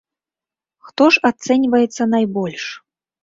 Хто ж ацэньваецца найбольш?